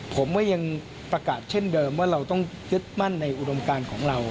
ผมก็ยังประกาศเช่นเดิมว่าเราต้องยึดมั่นในอุดมการของเรา